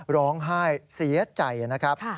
ร้องไห้เสียใจนะครับ